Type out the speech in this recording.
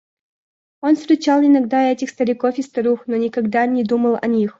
Он встречал иногда этих стариков и старух, но никогда не думал о них.